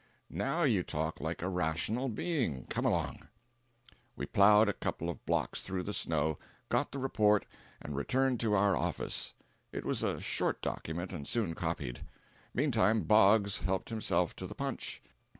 "Now you talk like a rational being. Come along." We plowed a couple of blocks through the snow, got the report and returned to our office. It was a short document and soon copied. Meantime Boggs helped himself to the punch.